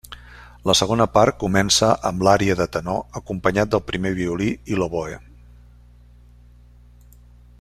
La segona part comença amb l'ària de tenor acompanyat del primer violí i l'oboè.